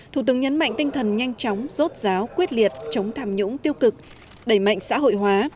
thủ tướng nhấn mạnh tinh thần nhanh chóng rốt ráo quyết liệt chống tham nhũng tiêu cực đẩy mạnh xã hội hóa